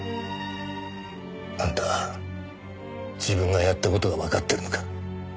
あんた自分がやった事がわかってるのか？